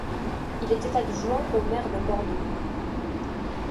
Il était adjoint au maire de Bordeaux.